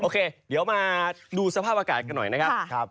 เดี๋ยวมาดูสภาพอากาศกันหน่อยนะครับ